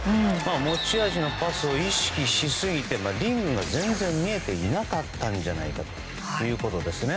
持ち味のパスを意識しすぎてリングが全然、見えていなかったんじゃないかと。